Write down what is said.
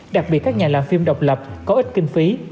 đặc biệt các nhà làm phim độc lập có ít kinh phí